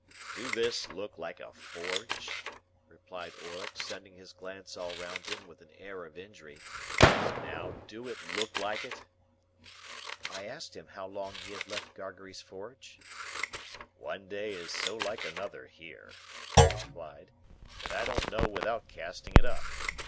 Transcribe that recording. "Do this look like a forge?" replied Orlick, sending his glance all round him with an air of injury. "Now, do it look like it?" I asked him how long he had left Gargery's forge? "One day is so like another here," he replied, "that I don't know without casting it up.